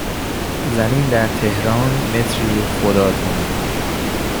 زمین در تهران متری خدا تومن